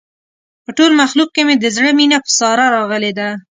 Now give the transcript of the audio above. په ټول مخلوق کې مې د زړه مینه په ساره راغلې ده.